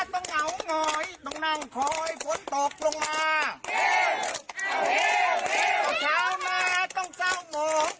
สักเช้างานก็ต้องเจ้าหมอง